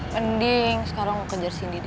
mending sekarang gue kejar cindy deh